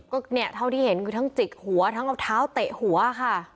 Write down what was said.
ก็เนี่ยเท่าที่เห็นคือทั้งจิกหัวทั้งเอาเท้าเตะหัวค่ะ